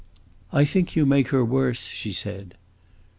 "I think you make her worse," she said.